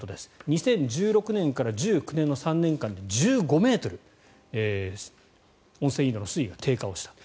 ２０１６年から２０１９年の３年間で１５ｍ温泉井戸の水位が低下したと。